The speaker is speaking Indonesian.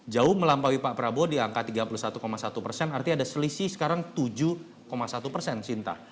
jauh melampaui pak prabowo di angka tiga puluh satu satu persen artinya ada selisih sekarang tujuh satu persen sinta